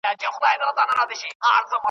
در نیژدې می که په مینه بې سببه بې پوښتنی .